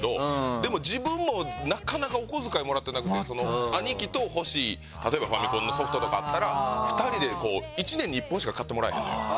でも自分もなかなかお小遣いもらってなくて兄貴と欲しい例えばファミコンのソフトとかあったら２人で１年に１本しか買ってもらえへんのよ。